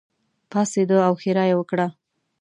پاڅېده او ښېرا یې وکړه.